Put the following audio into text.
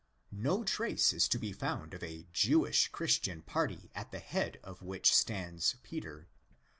No trace is to be found of a Jewish Christian party at the head of which stands Peter.